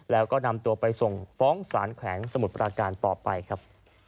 แล้วก็นำตัวไปส่งฟ้องสารแขวงสมุทรปราการต่อไปครับ